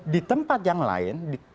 di tempat yang lain